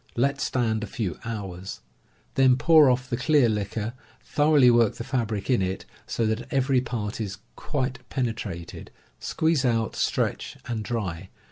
Let stand a few hours. Then pour off the clear liquor, thoroughly work the fabric in it, so that every part is Suite penetrated, squeeze out, stretch and dry.